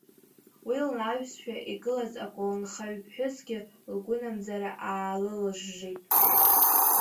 Уи лнаҩсшәа игылаз аколнхаҩԥҳәысгьы лгәынамӡара аалылыжжит.